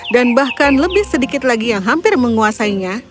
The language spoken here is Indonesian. dan bahkan lebih sedikit lagi yang hampir menguasainya